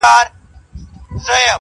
موږكانو ته ډبري كله سوال دئ-